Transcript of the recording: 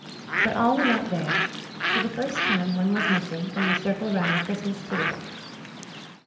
But all were not there for the first time one was missing from the circle round the Christmas table.